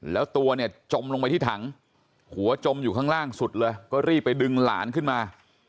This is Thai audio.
แล้วตัวเนี่ยจมลงไปที่ถังหัวจมอยู่ข้างล่างสุดเลยก็รีบไปดึงหลานขึ้นมา